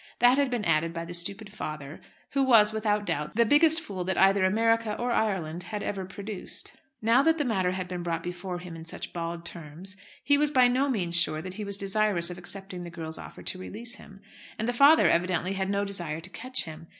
That had been added by the stupid father, who was, without doubt, the biggest fool that either America or Ireland had ever produced. Now that the matter had been brought before him in such bald terms, he was by no means sure that he was desirous of accepting the girl's offer to release him. And the father evidently had no desire to catch him.